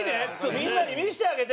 みんなに見せてあげて！